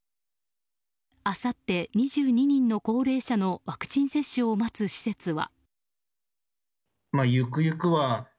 あさって、２２人の高齢者のワクチン接種を待つ施設は。